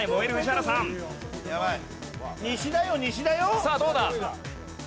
さあどうだ？